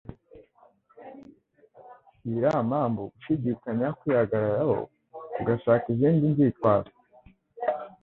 Ibiri amambu gushindikanya kwihagararaho kugashaka izindi nzitwazo.